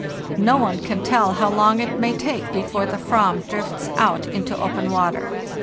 No one can tell how long it may take before the "vam drifts out into open water.